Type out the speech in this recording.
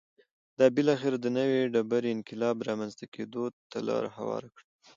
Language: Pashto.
دا بالاخره د نوې ډبرې انقلاب رامنځته کېدو ته لار هواره کړه